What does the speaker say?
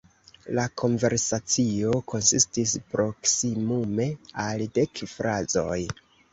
La konversacio konsistis proksimume al dek frazoj.